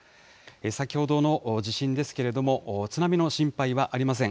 先ほどの地震ですけれども、津波の心配はありません。